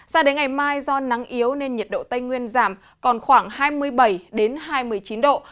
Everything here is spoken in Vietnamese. sao đến ngày mai do nắng yếu nên nhiệt độ tây nguyên giảm còn khoảng hai mươi bảy hai mươi chín độ